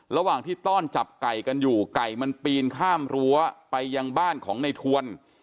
ระหว่างที่ต้อนจับไก่กันอยู่ไก่มันปีนข้ามรั้วไปยังบ้านของในทวน